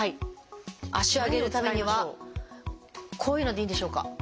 脚を上げるためにはこういうのでいいんでしょうか？